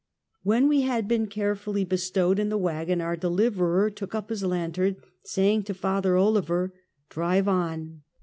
When we had been carefully bestowed in the wagon, our deliverer took ud his lantern, saying to Father Clever: " Drive on."